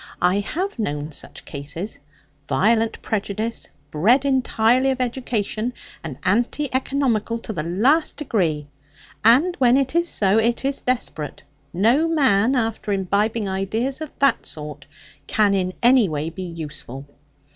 I have known such cases; violent prejudice, bred entirely of education, and anti economical to the last degree. And when it is so, it is desperate: no man, after imbibing ideas of that sort, can in any way be useful.'